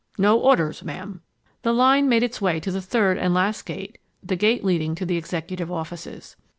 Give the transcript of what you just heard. ." "No orders, Ma'am." The line made its way to the third and last gate—the gate leading to the Executive offices.